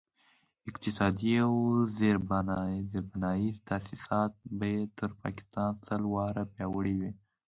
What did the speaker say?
اقتصادي او زیربنایي تاسیسات به یې تر پاکستان سل واره پیاوړي وي.